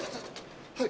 はい。